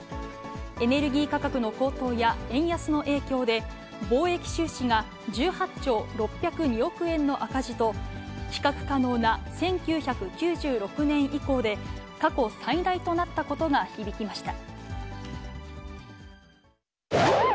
エネルギー価格の高騰や円安の影響で、貿易収支が１８兆６０２億円の赤字と、比較可能な１９９６年以降で過去最大となったことが響きました。